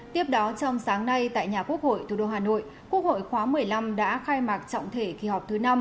tiếp đó trong sáng nay tại nhà quốc hội thủ đô hà nội quốc hội khóa một mươi năm đã khai mạc trọng thể kỳ họp thứ năm